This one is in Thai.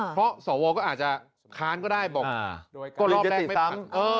เพราะสวก็อาจจะค้านก็ได้บอกก็รอบแรกไม่ซ้ำ